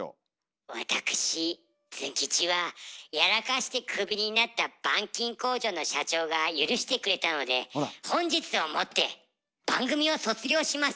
わたくしズン吉はやらかしてクビになった板金工場の社長が許してくれたので本日をもって番組を卒業します。